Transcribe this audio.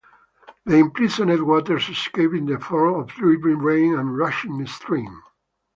The imprisoned waters escape in the form of dripping rain and rushing stream.